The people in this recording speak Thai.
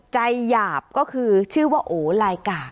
ใจหยาบชื่อว่าโอลายกะ